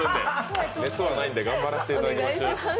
熱はないんで頑張らせていただきます。